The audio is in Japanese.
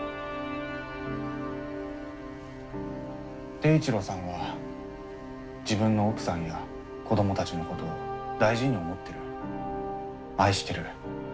貞一郎さんは自分の奥さんや子どもたちのことを大事に思ってる愛してる。